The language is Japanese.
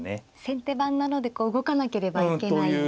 先手番なのでこう動かなければいけないという。